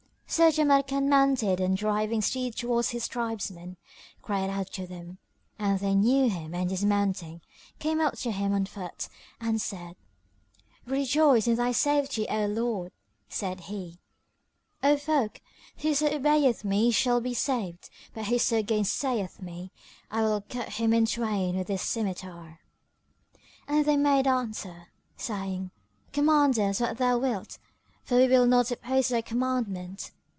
So Jamrkan mounted and driving steed towards his tribesmen, cried out to them; and they knew him and dismounting, came up to him on foot and said, "We rejoice in thy safety, O our lord!" Said he, "O folk, whoso obeyeth me shall be saved; but whoso gainsayeth me, I will cut him in twain with this scymitar." And they made answer, saying, "Command us what thou wilt, for we will not oppose thy commandment."